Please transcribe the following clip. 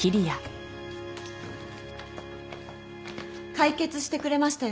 解決してくれましたよ